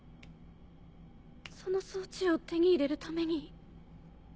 その装置を手に入れるために？